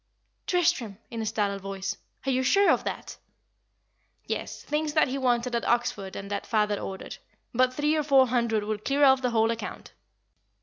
"Tristram!" in a startled voice. "Are you sure of that?" "Yes things that he wanted at Oxford and that father ordered; but three or four hundred will clear off the whole account."